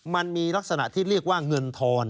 มันมีลักษณะที่เรียกว่าเงินทอน